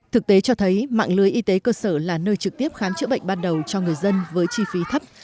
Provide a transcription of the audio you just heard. thực tế cho thấy mạng lưới y tế cơ sở là nơi trực tiếp khám chữa bệnh ban đầu cho người dân với chi phí thấp